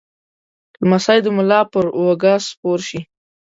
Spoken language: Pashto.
لمسی د ملا پر اوږه سپور شي.